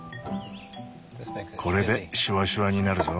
これでシュワシュワになるぞ。